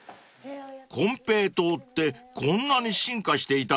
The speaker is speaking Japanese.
［コンペイトーってこんなに進化していたんですね］